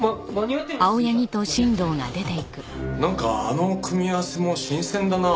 なんかあの組み合わせも新鮮だなあ。